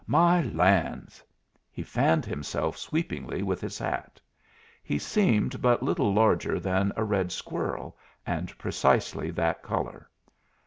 My lands!" He fanned himself sweepingly with his hat. He seemed but little larger than a red squirrel, and precisely that color.